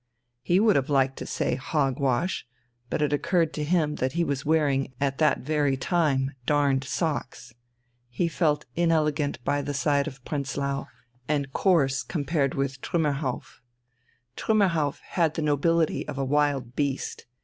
He would have liked to say "hog wash," but it occurred to him that he was wearing at that very time darned socks. He felt inelegant by the side of Prenzlau and coarse compared with Trümmerhauff. Trümmerhauff had the nobility of a wild beast.